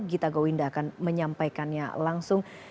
gita gowinda akan menyampaikannya langsung